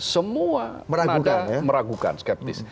semua ada yang meragukan skeptis